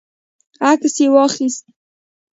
عکس یې واخیست.